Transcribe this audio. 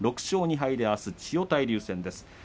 ６勝２敗であすは千代大龍戦です。